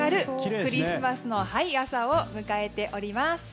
クリスマスの朝を迎えております。